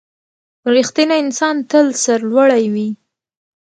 • رښتینی انسان تل سرلوړی وي.